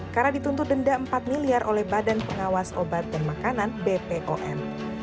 karena dituntut denda empat miliar oleh badan pengawas obat dan makanan bpom